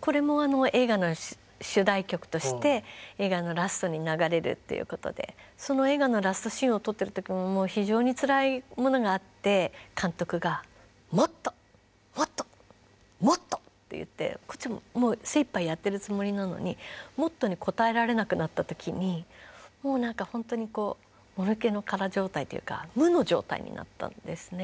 これも映画の主題曲として映画のラストに流れるということでその映画のラストシーンを撮ってる時もう非常につらいものがあって監督が「もっと！もっと！もっと！」って言ってこっちも精一杯やってるつもりなのに「もっと」に応えられなくなった時にもうほんとにもぬけの殻状態というか無の状態になったんですね。